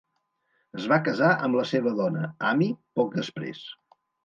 Es va casar amb la seva dona, Amy, poc després.